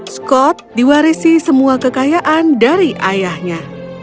scott diwarisi semua kekayaan dari ayahnya